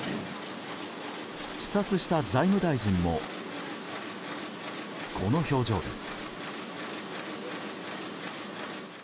視察した財務大臣もこの表情です。